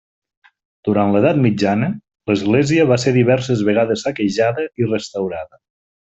Durant l'edat mitjana, l'església va ser diverses vegades saquejada i restaurada.